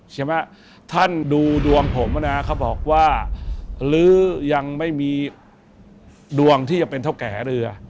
ใช่ไหมท่านดูดวงผมนะเขาบอกว่าหรือยังไม่มีดวงที่จะเป็นเท่าแก่เรือ